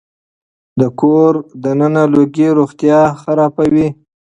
د کور دننه لوګي روغتيا خرابوي.